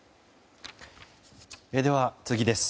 では、次です。